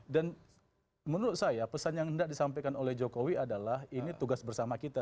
dan menurut saya pesan yang hendak disampaikan oleh jokowi adalah ini tugas bersama kita